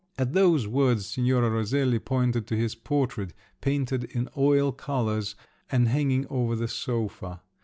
At those words Signora Roselli pointed to his portrait, painted in oil colours, and hanging over the sofa.